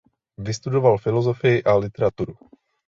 Vystudoval filosofii a literaturu.